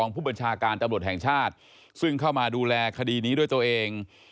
ผู้บัญชาการตำรวจแห่งชาติซึ่งเข้ามาดูแลคดีนี้ด้วยตัวเอง